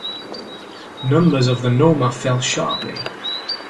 Numbers of the Noma fell sharply.